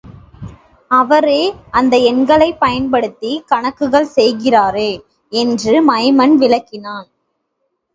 அவரே, அந்த எண்களைப் பயன்படுத்திக் கணக்குகள் செய்கிறாரே! என்று மைமன் விளக்கினான்.